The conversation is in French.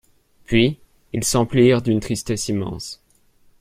Puis ils s'emplirent d'une tristesse immense.